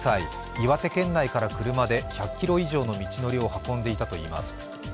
岩手県内から車で１００ｋｍ以上の道のりを運んでいたといいます。